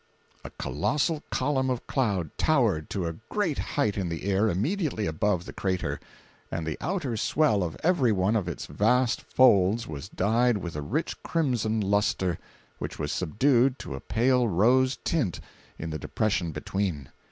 533.jpg (37K) A colossal column of cloud towered to a great height in the air immediately above the crater, and the outer swell of every one of its vast folds was dyed with a rich crimson luster, which was subdued to a pale rose tint in the depressions between.